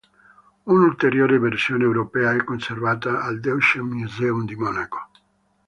Un'ulteriore versione europea è conservata al Deutsches Museum di Monaco.